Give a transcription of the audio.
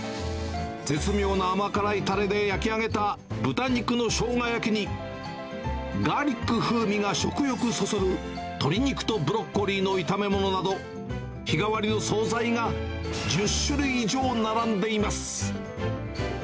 絶妙な甘辛いたれで焼き上げた豚肉のしょうが焼きに、ガーリック風味が食欲そそる、鶏肉とブロッコリーの炒め物など、日替わりの総菜が１０種類以上並んでいます。